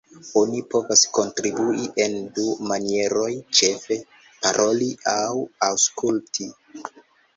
Oni povas kontribui en du manieroj, ĉefe: "Paroli" aŭ "Aŭskulti".